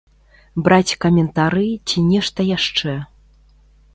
Браць каментары ці нешта яшчэ.